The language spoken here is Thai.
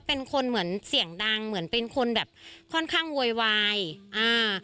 เป็นคนเหมือนเสียงดังเหมือนเป็นคนแบบค่อนข้างโวยวายอ่า